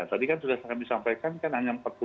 tadi kan sudah kami sampaikan kan hanya